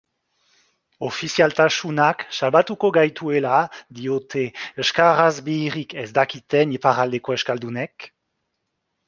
Ofizialtasunak salbatuko gaituela diote euskaraz bihirik ez dakiten iparraldeko euskualdunek?